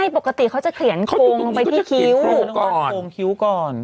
ปกติเขาจะเขียนโค้งลงไปที่คิ้วตรงนี้ก็จะเขียนโค้งก่อนตรงนี้ก็จะเขียนโค้งคิ้วก่อน